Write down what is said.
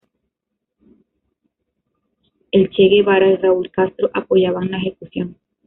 El Che Guevara y Raúl Castro apoyaban la ejecución.